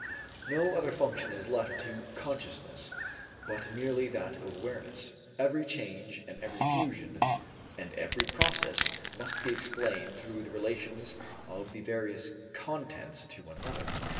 No other function is left to consciousness but merely that of awareness. Every change and every fusion and every process must be explained through the relations of the various contents to one another.